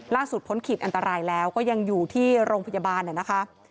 พ้นขีดอันตรายแล้วก็ยังอยู่ที่โรงพยาบาลนะคะ